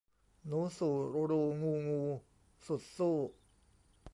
หนูสู่รูงูงู สุดสู้